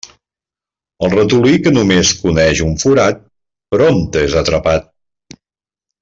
El ratolí que només coneix un forat, prompte és atrapat.